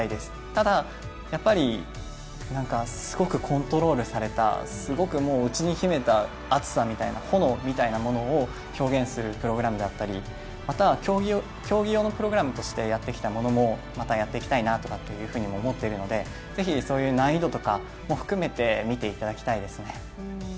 ただ、すごくコントロールされたすごく内に秘めた熱さみたいな炎みたいなものを表現するプログラムであったりまた競技用のプログラムとしてやってきたものもまたやっていきたいなと思っているのでぜひそういう難易度とかも含めて見ていただきたいですね。